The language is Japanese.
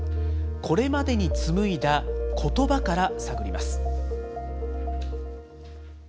これまでに紡いだことばから探ります。